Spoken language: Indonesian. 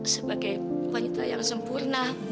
sebagai wanita yang sempurna